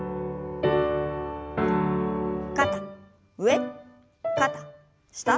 肩上肩下。